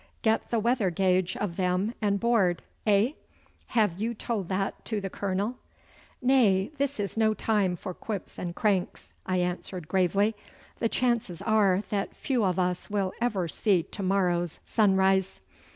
Get the weather gauge of them and board eh? Have you told that to the Colonel?' 'Nay, this is no time for quips and cranks,' I answered gravely; 'the chances are that few of us will ever see to morrow's sun rise.